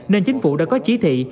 nên chính phủ đã có chí thị